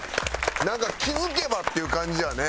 なんか気付けばっていう感じやね。